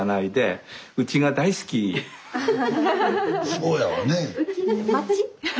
そうやわね。